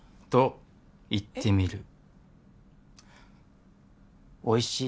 と言ってみるえっ？